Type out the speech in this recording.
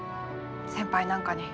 先輩なんかに。